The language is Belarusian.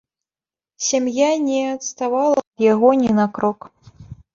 Сям'я не адставала ад яго ні на крок.